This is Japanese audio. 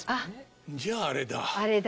じゃああれだ。